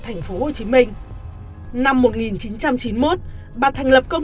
thành phố hồ chí minh năm một nghìn chín trăm chín mươi một bà thành lập công